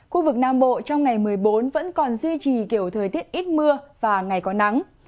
khu vực nam bộ trong ngày một mươi bốn vẫn còn duy trì kiểu thời tiết ít mưa và ngày có nắng